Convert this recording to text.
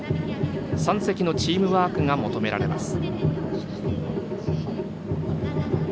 ３隻のチームワークが求められます。